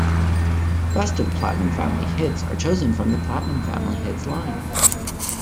Best of Platinum Family Hits are chosen from the Platinum Family Hits line.